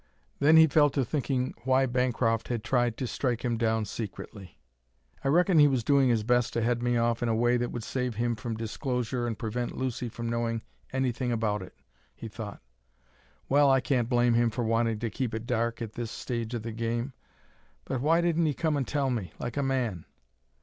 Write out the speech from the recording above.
Then he fell to thinking why Bancroft had tried to strike him down secretly. "I reckon he was doing his best to head me off in a way that would save him from disclosure and prevent Lucy from knowing anything about it," he thought. "Well, I can't blame him for wanting to keep it dark, at this stage of the game. But why didn't he come and tell me, like a man!"